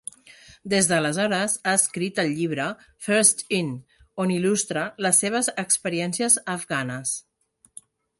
Des d'aleshores ha escrit el llibre "First In" on il·lustra les seves experiències afganes.